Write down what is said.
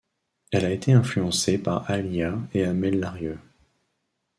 Elle a été influencée par Aaliyah et Amel Larrieux.